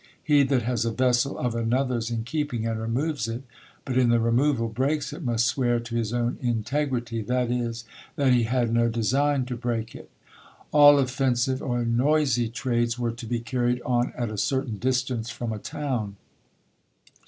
He that has a vessel of another's in keeping, and removes it, but in the removal breaks it, must swear to his own integrity; i.e., that he had no design to break it. All offensive or noisy trades were to be carried on at a certain distance from a town.